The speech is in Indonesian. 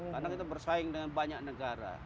karena itu bersaing dengan banyak negara